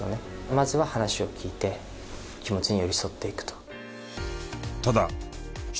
まずは話を聞いて気持ちに寄り添っていくと。